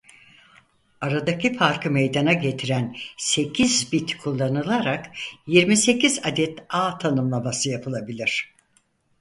Aradaki farkı meydana getiren sekiz bit kullanılarak yirmi sekiz adet ağ tanımlaması yapılabilir.